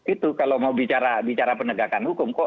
itu kalau mau bicara penegakan hukum